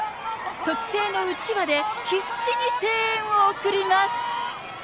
特製のうちわで必死に声援を送ります。